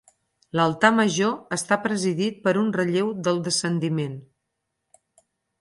L'altar major està presidit per un relleu del Descendiment.